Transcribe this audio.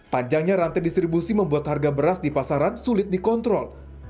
panjangnya rantai distribusi membuat harga beras di pasaran sulit dikontrol